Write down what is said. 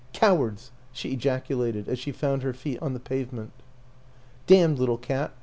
" Cowards! " she ejaculated as she found her feet on the pavement. "Damned little cat!"